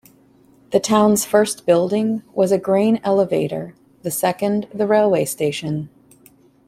The town's first building was a grain elevator, the second the railway station.